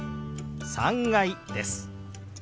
「３階」です。